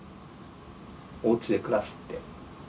おうちで暮らすって。